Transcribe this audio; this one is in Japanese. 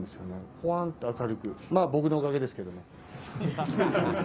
ほわーんと明るく、まあ、僕のおかげですけども。